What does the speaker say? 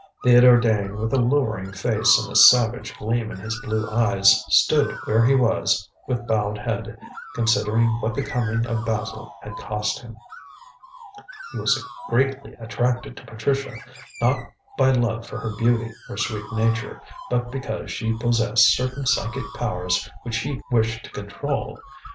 Theodore Dane, with a lowering face and a savage gleam in his blue eyes, stood where he was, with bowed head, considering what the coming of Basil had cost him. He was greatly attracted to Patricia, not by love for her beauty or sweet nature, but because she possessed certain psychic powers which he wished to control.